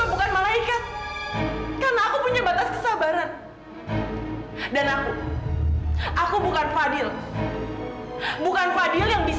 pergi kalian jangan pernah mendekati sini